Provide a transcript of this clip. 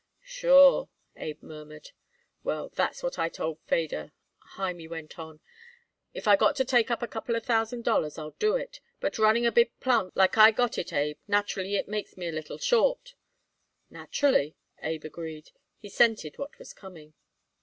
"Sure," Abe murmured. "Well, that's what I told Feder," Hymie went on. "If I got to take up a couple of thousand dollars I'll do it. But running a big plant like I got it, Abe, naturally it makes me a little short." "Naturally," Abe agreed. He scented what was coming.